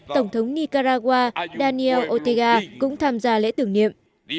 tổng thống nicaragua daniel otega cũng tham gia lễ tưởng niệm